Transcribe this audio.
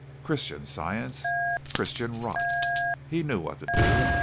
Christian Science! Christian rot! He knew what to do.